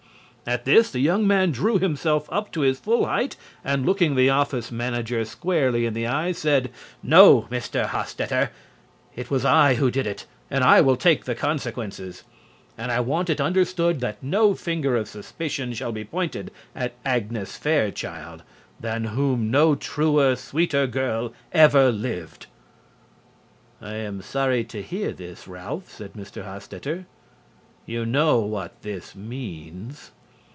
At this the young man drew himself up to his full height and, looking the office manager squarely in the eye, said: "No, Mr. Hostetter; it was I who did it, and I will take the consequences. And I want it understood that no finger of suspicion shall be pointed at Agnes Fairchild, than whom no truer, sweeter girl ever lived!" "I am sorry to hear this, Ralph," said Mr. Hostetter. "You know what this means."